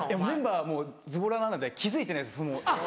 メンバーはもうズボラなので気付いてないです。